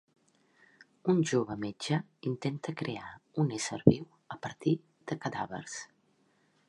Un jove metge intenta crear un ésser viu a partir de cadàvers.